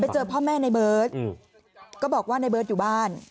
เจอพ่อแม่ในเบิร์ตก็บอกว่าในเบิร์ตอยู่บ้าน